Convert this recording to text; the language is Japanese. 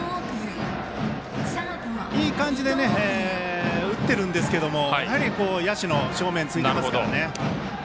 いい感じで打ってるんですけどもやはり野手の正面ついていますからね。